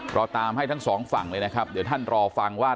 เราตามให้ทั้งสองฝั่งเลยนะครับเดี๋ยวท่านรอฟังว่า